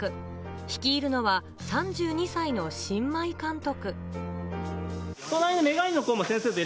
率いるのは３２歳の新米監督。